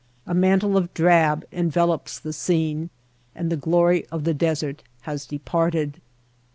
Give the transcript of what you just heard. A mantle of drab envelops the scene, and the glory of the desert has departed.